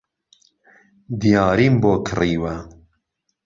دیاریم بۆ کڕیوە